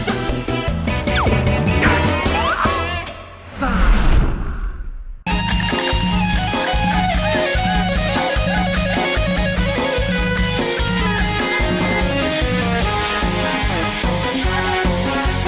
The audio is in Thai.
วันน่าจะวิอาริสารา